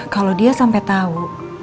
kalau dia sampe tau